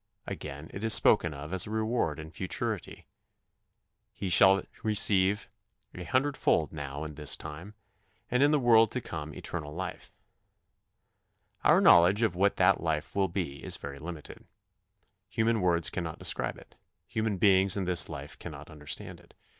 " Again it is spoken of as a reward in futurity: "He shall receive an hundredfold now in this time ... and in the world to come eternal life." Our knowledge of what that life will be is very limited. Human words cannot describe it; human beings in this life cannot understand it.